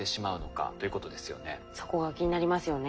そこが気になりますよね。